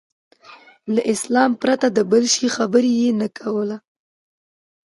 له اسلام پرته د بل شي خبره یې نه کوله.